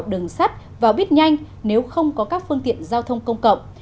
vào đường sắt vào bít nhanh nếu không có các phương tiện giao thông công cộng